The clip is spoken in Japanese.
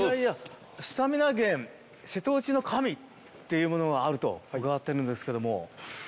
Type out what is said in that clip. スタミナ源瀬戸内の神っていうものがあると伺ってるんですけども。